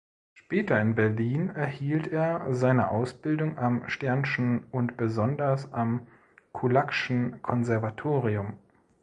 Später in Berlin erhielt er seine Ausbildung am Stern’schen und besonders am Kullak’schen Konservatorium.